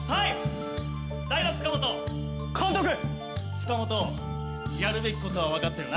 塚本やるべきことはわかってるな？